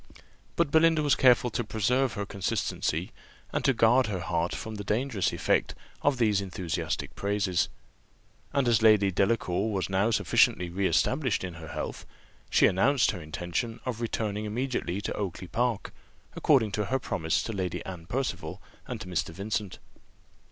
But Belinda was careful to preserve her consistency, and to guard her heart from the dangerous effect of these enthusiastic praises; and as Lady Delacour was now sufficiently re established in her health, she announced her intention of returning immediately to Oakly park, according to her promise to Lady Anne Percival and to Mr. Vincent.